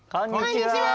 こんにちは！